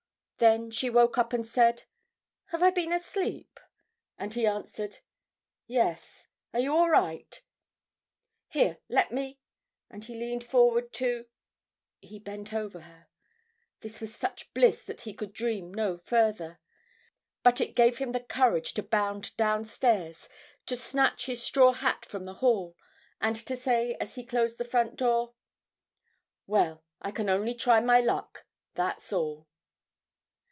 Then she woke up and said, "Have I been asleep?" and he answered, "Yes. Are you all right? Here, let me—" And he leaned forward to.... He bent over her. This was such bliss that he could dream no further. But it gave him the courage to bound downstairs, to snatch his straw hat from the hall, and to say as he closed the front door, "Well, I can only try my luck, that's all."